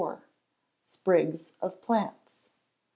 Sprigs of Plants.